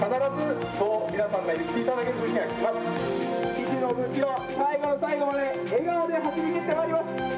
岸信千世、最後の最後まで笑顔で走りきってまいります。